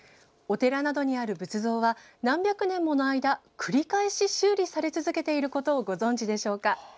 お寺などにある仏像は何百年もの間、繰り返し修理され続けていることをご存じでしょうか？